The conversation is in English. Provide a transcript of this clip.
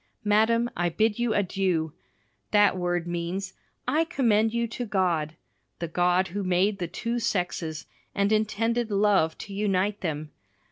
Madam, I bid you adieu. That word means "I commend you to God," the God who made the two sexes, and intended love to unite them.